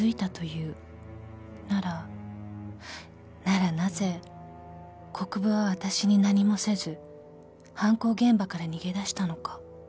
［ならならなぜ国府はわたしに何もせず犯行現場から逃げ出したのか］